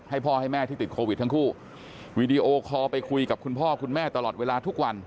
พ่อให้แม่ที่ติดโควิดทั้งคู่วีดีโอคอลไปคุยกับคุณพ่อคุณแม่ตลอดเวลาทุกวัน